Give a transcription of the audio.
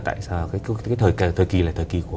thời kỳ là thời kỳ của